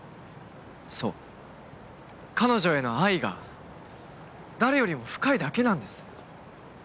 そう彼女への愛が誰よりも深いだけなんです。